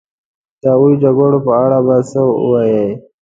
د هغو جګړو په اړه به څه ووایې.